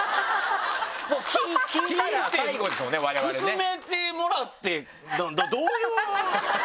勧めてもらってどういう？